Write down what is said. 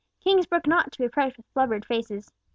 Kings brook not to be approached with blubbered faces.